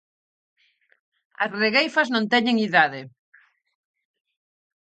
As regueifas non teñen idade.